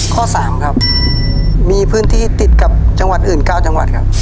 ข้อ๓ครับมีพื้นที่ติดกับจังหวัดอื่น๙จังหวัดครับ